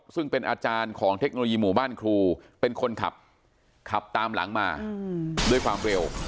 ซึ่งเป็นอาจารย์ของเทคโนโลยีหมู่บ้านครูเป็นคนขับขับตามหลังมาด้วยความเร็ว